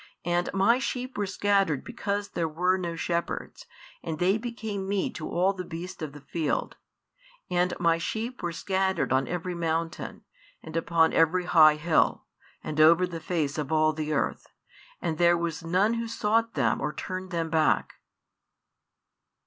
And My sheep were scattered because there were no shepherds, and they became meat to all the beasts of the field: and My sheep were scattered on every mountain, and upon every high hill, and over the face of all the earth; and there was none who sought them or turned them back.